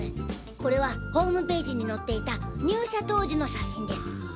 これはホームページに載っていた入社当時の写真です。